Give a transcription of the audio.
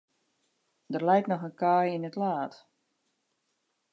Der leit noch in kaai yn it laad.